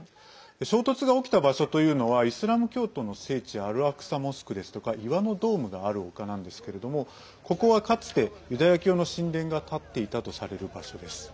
衝突が起きた場所というのはイスラム教徒の聖地アルアクサモスクですとか岩のドームがある丘なんですけれどもここは、かつてユダヤ教の神殿が建っていたとされる場所です。